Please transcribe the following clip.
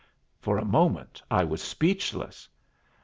For a moment I was speechless.